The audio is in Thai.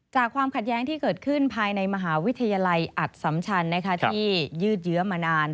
ความขัดแย้งที่เกิดขึ้นภายในมหาวิทยาลัยอัดสำชันที่ยืดเยื้อมานาน